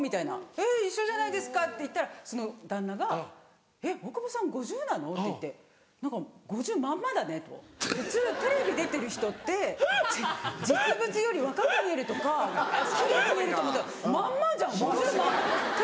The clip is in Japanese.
「えっ一緒じゃないですか」って言ったらその旦那が「えっ大久保さん５０なの？」って言って「何か５０まんまだね」と。「普通テレビ出てる人って実物より若く見えるとか奇麗に見えると思ったらまんまじゃん５０まんまテレビのまんまじゃん」みたいな私若干カチンと来て